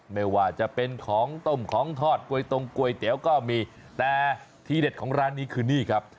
ไม่ว่าจะเป็นของต้มของทอดกลวยตรงก๋วยเตี๋ยวก็มีแต่ที่เด็ดของร้านนี้คือนี่ครับ